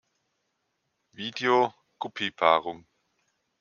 Video: Guppy Paarung